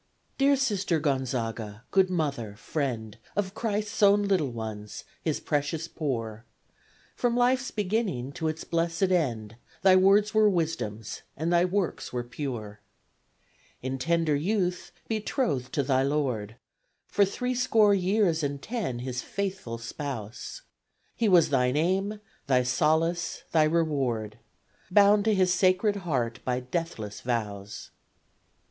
Dear Sister Gonzaga! good mother, friend Of Christ's own little ones His precious poor! From Life's beginning to its blessed end Thy Words were Wisdom's, and thy works were pure. In tender youth, betrothed to thy Lord; For three score years and ten His faithful spouse, He was thine aim thy solace thy reward Bound to His Sacred Heart by deathless vows!